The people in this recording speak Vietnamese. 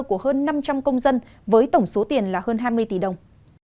của hơn năm trăm linh công dân với tổng số tiền là hơn hai mươi tỷ đồng